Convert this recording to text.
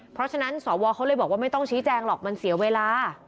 เพราะฉะนั้นสวเขาเลยบอกว่าไม่ต้องชี้แจงหรอกมันเสียเวลา